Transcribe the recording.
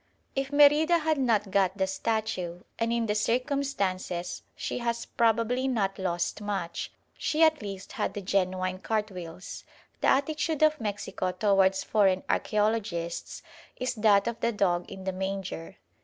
If Merida had not got the statue and in the circumstances she has probably not lost much she at least had the genuine cartwheels. The attitude of Mexico towards foreign archæologists is that of the "dog in the manger."